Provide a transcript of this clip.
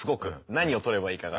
何を撮ればいいかが。